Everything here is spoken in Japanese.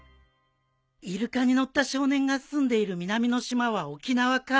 イルカに乗った少年が住んでいる南の島は沖縄か